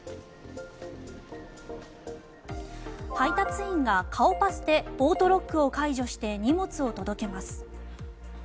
配達員が顔パスでオートロックを解除して荷物を届けます。